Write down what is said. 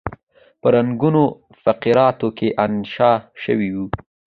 په رنګینو فقراتو کې انشا شوی وو.